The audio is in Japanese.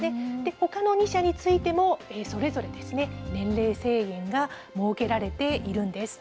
ほかの２社についても、それぞれですね、年齢制限が設けられているんです。